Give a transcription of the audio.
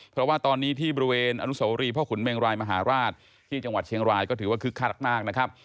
เพราะว่าตอนนี้ที่บริเวณอนุสวรีพ่อขุนเมงรายมหาราชที่จังหวัดเชียงรายก็ถือว่าคึกคักมากนะครับ